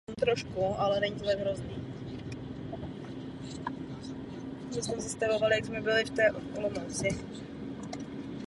Podobně rozšířil placení náhrad za výkon vojenské služby i na dobu míru.